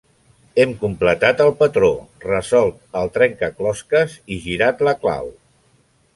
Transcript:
Hem completat el patró, resolt el trencaclosques i girat la clau.